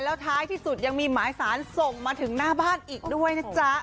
แล้วท้ายที่สุดยังมีหมายสารส่งมาถึงหน้าบ้านอีกด้วยนะจ๊ะ